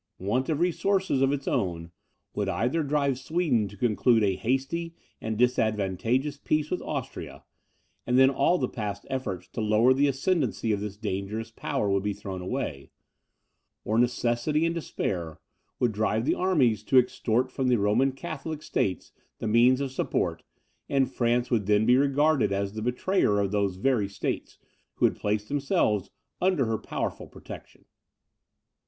Want of resources of its own, would either drive Sweden to conclude a hasty and disadvantageous peace with Austria, and then all the past efforts to lower the ascendancy of this dangerous power would be thrown away; or necessity and despair would drive the armies to extort from the Roman Catholic states the means of support, and France would then be regarded as the betrayer of those very states, who had placed themselves under her powerful protection.